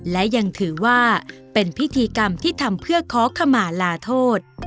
และยังถือว่าเป็นพิธีกรรมที่ทำเพื่อขอขมาลาโทษ